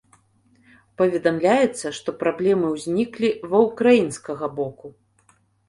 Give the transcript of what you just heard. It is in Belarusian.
Паведамляецца, што праблемы ўзніклі ва ўкраінскага боку.